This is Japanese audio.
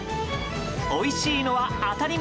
おいしいのは当たり前。